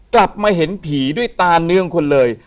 กลับมาเห็นผีด้วยตาเนื่องคนเลย